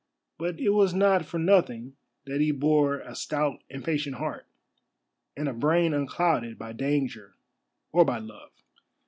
But it was not for nothing that he bore a stout and patient heart, and a brain unclouded by danger or by love.